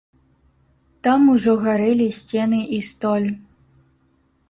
Там ужо гарэлі сцены і столь.